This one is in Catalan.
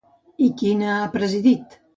I quina ha presidit?